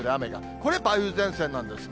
これ、梅雨前線なんですね。